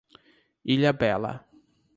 Ilhabela